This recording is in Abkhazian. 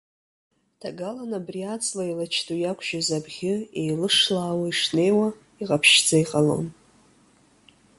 Ҭагалан абри аҵла еилач ду иақәжьыз абӷьы еилышлаауа ишнеиуа, иҟаԥшьшьӡа иҟалон.